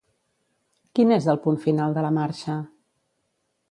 Quin és el punt final de la marxa?